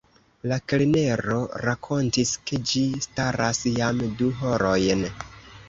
La kelnero rakontis, ke ĝi staras jam du horojn.